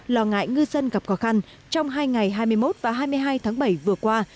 lo ngại ngư dân gặp khó khăn trong hai ngày hai mươi một và hai mươi hai tháng bảy vừa qua